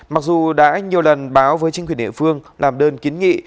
mặc dù đã nhiều lần báo với chính quyền địa phương làm đơn kiến nghị